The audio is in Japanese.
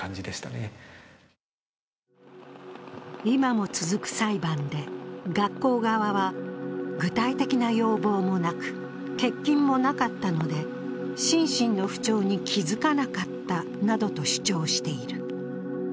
今も続く裁判で学校側は具体的な要望もなく欠勤もなかったので心身の不調に気付かなかったなどと主張している。